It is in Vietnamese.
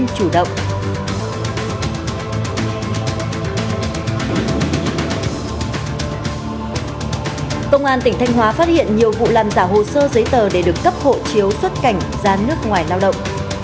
công an tỉnh thanh hóa phát hiện nhiều vụ làm giả hồ sơ giấy tờ để được cấp hộ chiếu xuất cảnh ra nước ngoài lao động